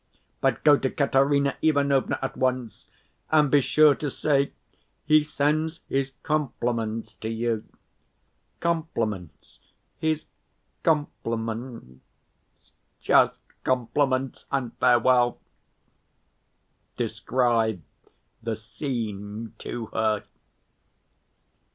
But go to Katerina Ivanovna at once and be sure to say, 'He sends his compliments to you!' Compliments, his compliments! Just compliments and farewell! Describe the scene to her."